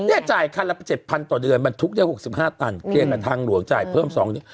เนี่ยจ่ายคันละ๗๐๐ต่อเดือนบรรทุกได้๖๕ตันเคลียร์กับทางหลวงจ่ายเพิ่ม๒เดือน